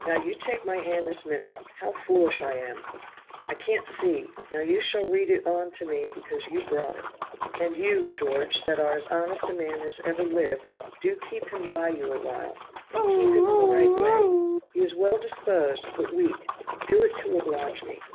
"Now you take my hand this minute. How foolish I am. I can't see now you shall read it on to me because you brought it." "'And you, George, that are as honest a man as ever lived, do keep him by you a while, and keep him in the right way. He is well disposed but weak do it to oblige me.'"